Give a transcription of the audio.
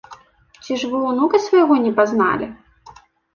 Ці ж вы ўнука свайго не пазналі?